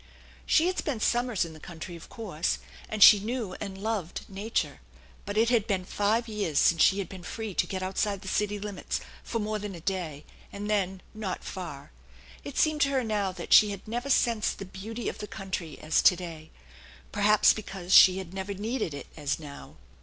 She had spent summers in the country, of course ; and she knew and loved nature, but it had been five years since she had been free to get outside the city limits for more than a day, and then not far. It seemed to her now that she had never sensed the beauty of the country as to day; perhaps because she had never needed it as now.